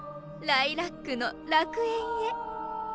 ライラックの楽園へ。